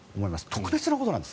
特別なことなんです。